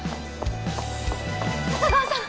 笹川さん！